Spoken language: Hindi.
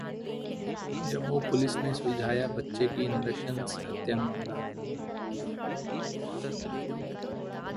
जम्मू पुलिस ने सुलझाया बच्चे की नृशंस हत्या मामला